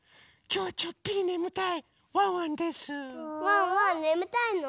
ワンワンねむたいの？